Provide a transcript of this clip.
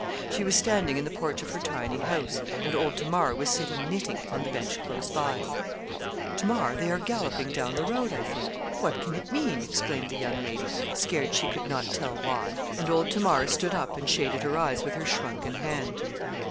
She was standing in the porch of her tiny house, and old Tamar was sitting knitting on the bench close by. 'Tamar, they are galloping down the road, I think what can it mean?' exclaimed the young lady, scared she could not tell why; and old Tamar stood up, and shaded her eyes with her shrunken hand.